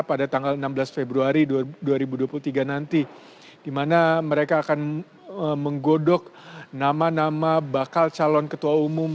pada tanggal enam belas februari dua ribu dua puluh tiga nanti di mana mereka akan menggodok nama nama bakal calon ketua umum